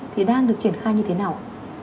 thì đang được triển khai như thế nào